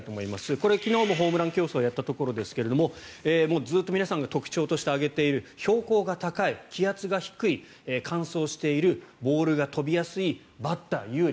これ、昨日もホームラン競争をやったところですがもうずっと皆さんが特徴として挙げている標高が高い、気圧が低い乾燥しているボールが飛びやすいバッター有利。